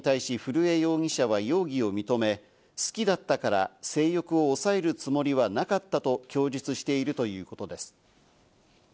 警察の調べに対し、古江容疑者は容疑を認め、好きだったから性欲を抑えるつもりはなかったと供述しているということです。